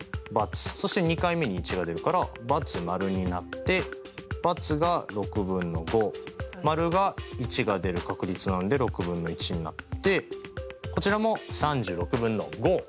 そして２回目に１が出るから×○になって×が６分の５○が１が出る確率なんで６分の１になってこちらも３６分の５。